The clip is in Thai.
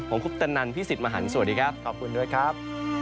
ผมคุปตนันพี่สิทธิ์มหันฯสวัสดีครับขอบคุณด้วยครับ